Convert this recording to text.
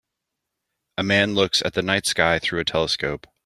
A man looks at the night sky through a telescope.